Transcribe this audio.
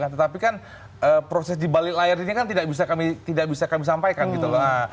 tetapi kan proses di balik layar ini kan tidak bisa kami sampaikan gitu loh